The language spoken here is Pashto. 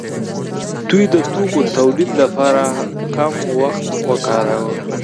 دوی د توکو تولید لپاره کم وخت ورکاوه.